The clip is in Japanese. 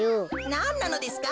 なんなのですか？